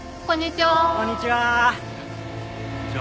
こんにちは。